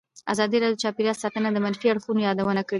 ازادي راډیو د چاپیریال ساتنه د منفي اړخونو یادونه کړې.